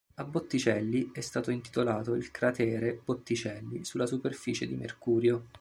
A Botticelli è stato intitolato il cratere Botticelli, sulla superficie di Mercurio.